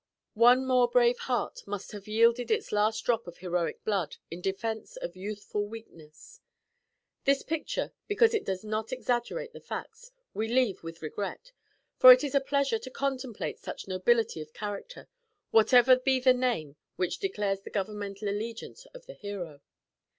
One more brave heart must have yielded its last drop of heroic blood in defence of youthful weakness. This picture, because it does not exaggerate the facts, we leave with regret; for, it is a pleasure to contemplate such nobility of character, whatever be the name which declares the governmental allegiance of the hero.